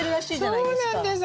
そうなんです。